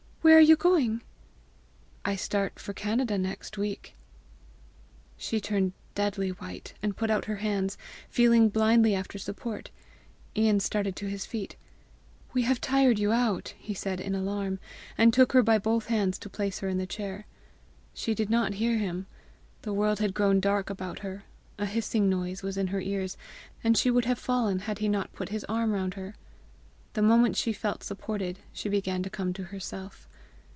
"Where are you going?" "I start for Canada next week." She turned deadly white, and put out her hands, feeling blindly after support. Ian started to his feet. "We have tired you out!" he said in alarm, and took her by both hands to place her in the chair. She did not hear him. The world had grown dark about her, a hissing noise was in her ears, and she would have fallen had he not put his arm round her. The moment she felt supported, she began to come to herself.